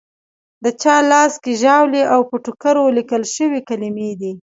د چا لاس کې ژاولي او پر ټوکرو لیکل شوې کلیمې دي.